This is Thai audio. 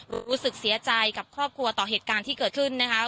รู้สึกเสียใจกับครอบครัวต่อเหตุการณ์ที่เกิดขึ้นนะคะ